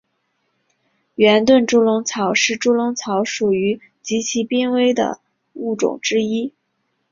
圆盾猪笼草是猪笼草属中极其濒危的物种之一。